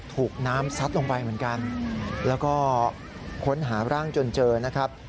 ถูกน้ำซัดลงไปเหมือนกันแล้วก็ค้นหาร่างจนเจอนะครับ